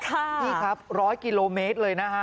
นี่ครับ๑๐๐กิโลเมตรเลยนะฮะ